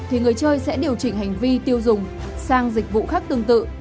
thì người chơi sẽ điều chỉnh hành vi tiêu dùng sang dịch vụ khác tương tự